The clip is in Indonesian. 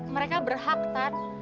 mereka berhak tan